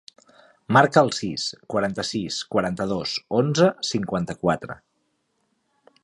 Marca el sis, quaranta-sis, quaranta-dos, onze, cinquanta-quatre.